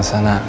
gue gak tahu